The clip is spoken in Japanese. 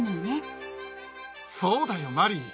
そうだよマリー。